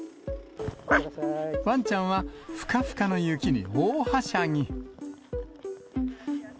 ワンちゃんは、ふかふかの雪に大はしゃぎ。